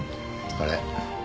あれ？